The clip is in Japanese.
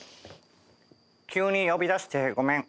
急に呼び出してごめん。